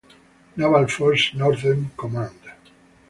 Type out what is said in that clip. Naval Forces Northern Command.